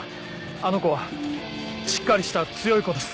あの子はしっかりした強い子です。